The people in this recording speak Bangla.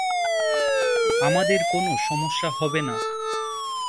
আমাদের কোনো সমস্যা হবে না।